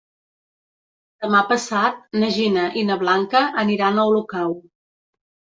Demà passat na Gina i na Blanca aniran a Olocau.